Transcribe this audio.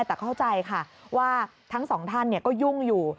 แต่เข้าใจค่ะว่าทั้งสองท่านก็ยุ่งอยู่